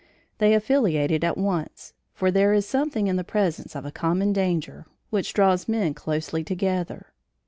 They affiliated at once, for there is something in the presence of a common danger which draws men closely together.